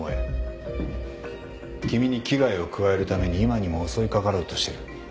君に危害を加えるために今にも襲いかかろうとしている。